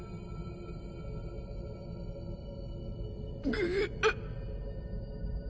ぐっ。